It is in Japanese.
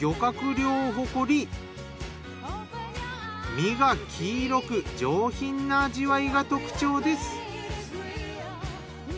身が黄色く上品な味わいが特徴です。